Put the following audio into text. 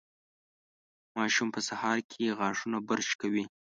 ماشوم په سهار کې غاښونه برش کوي.